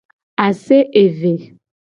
Ase eve.